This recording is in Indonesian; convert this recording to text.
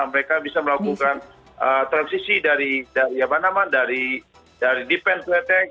mereka bisa melakukan transisi dari ya mana man dari defense to attack